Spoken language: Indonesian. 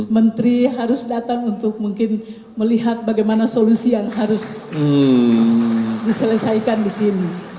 menteri harus datang untuk mungkin melihat bagaimana solusi yang harus diselesaikan di sini